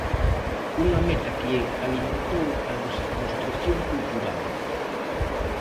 Unha meta que alimentou a nosa construción cultural.